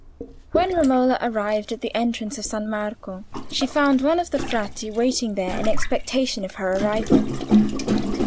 When Romola arrived at the entrance of San Marco she found one of the Frati waiting there in expectation of her arrival.